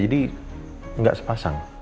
jadi enggak sepasang